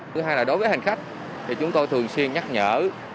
thứ hai là đối với hành khách thì chúng tôi thường xuyên nhắc nhở